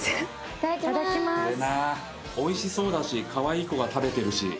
・おいしそうだしカワイイ子が食べてるし。